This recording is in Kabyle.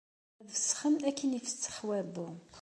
Ad fesxen akken ifessex wabbu.